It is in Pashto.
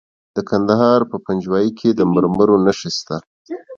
د کندهار په پنجوايي کې د مرمرو نښې شته.